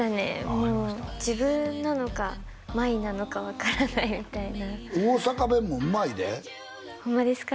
もう自分なのか舞なのか分からないみたいな大阪弁もうまいでホンマですか？